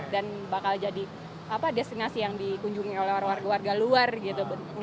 dan bakal jadi apa destinasi yang dikunjungi oleh warga warga luar gitu